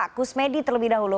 pak kusmedi terlebih dahulu